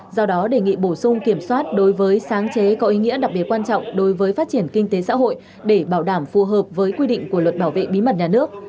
do đó đề nghị bổ sung kiểm soát đối với sáng chế có ý nghĩa đặc biệt quan trọng đối với phát triển kinh tế xã hội để bảo đảm phù hợp với quy định của luật bảo vệ bí mật nhà nước